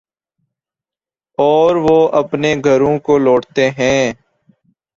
اوروہ اپنے گھروں کو لوٹتے ہیں۔